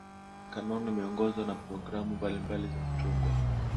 Kanuni miongozo na programu mbalimbali zimetungwa